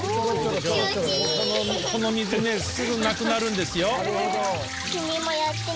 この水ねすぐなくなるんですよ。